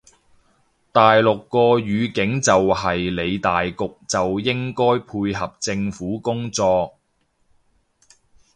大陸個語境就係理大局就應該配合政府工作